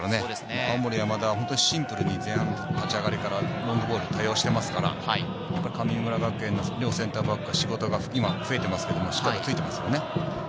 青森山田はシンプルに前半、立ち上がりからロングボール対応してますから、神村学園の両センターバック、仕事が今増えていますけれど、しっかりついてます。